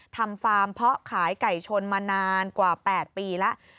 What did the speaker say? ฟาร์มเพาะขายไก่ชนมานานกว่า๘ปีแล้ว